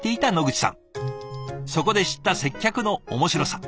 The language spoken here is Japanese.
そこで知った接客の面白さ。